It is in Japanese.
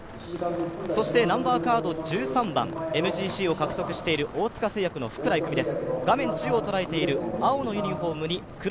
ナンバーカード１３番ＭＧＣを獲得している大塚製薬の福良郁美です。